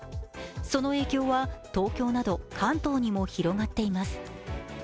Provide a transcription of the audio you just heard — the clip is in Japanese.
その影響は東京など関東にも広がっています。